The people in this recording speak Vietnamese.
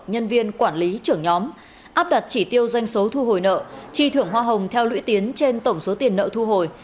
nhân viên quản lý trưởng nhóm áp đặt chỉ tiêu doanh số thu hồi nợ chi thưởng hoa hồng theo lũy tiến trên tổng số tiền nợ thu hồi